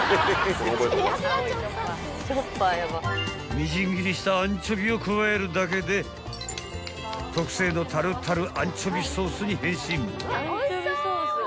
［みじん切りしたアンチョビを加えるだけで特製のタルタルアンチョビソースに変身］